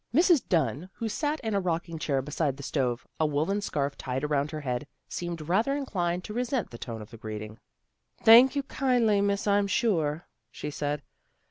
Mrs. Dunn who sat in a rocking chair beside the stove, a woollen scarf tied around her head, seemed rather inclined to resent the tone of the greeting. " Thank you kindly, Miss I'm sure," she said.